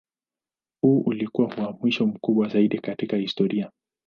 Huu ulikuwa uhamisho mkubwa zaidi katika historia.